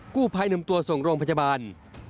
กู้ภัยหนึ่มตัวส่งโรงพัจจบาล